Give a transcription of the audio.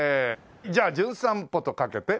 じゃあ『じゅん散歩』とかけて？